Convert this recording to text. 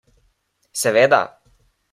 Seveda.